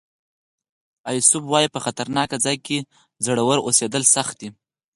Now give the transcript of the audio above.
ایسوپ وایي په خطرناک ځای کې زړور اوسېدل سخت دي.